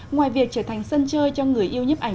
ngoài việc trở thành sân chơi cho người yêu nhấp ảnh